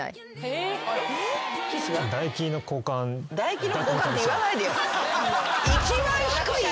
唾液の交換って言わないでよ。